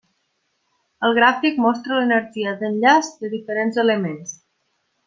El gràfic mostra l'energia d'enllaç de diferents elements.